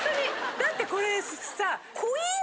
だってこれさ。